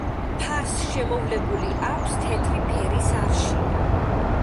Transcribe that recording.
ფარს შემოვლებული აქვს თეთრი ფერის არშია.